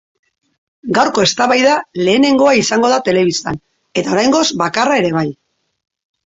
Gaurko eztabaida lehenengoa izango da telebistan, eta oraingoz bakarra ere bai.